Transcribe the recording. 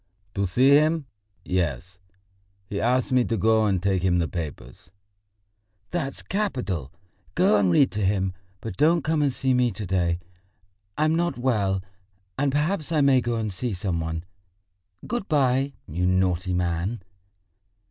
"To see him, yes. He asked me to go and take him the papers." "That's capital. Go and read to him. But don't come and see me to day. I am not well, and perhaps I may go and see some one. Good bye, you naughty man."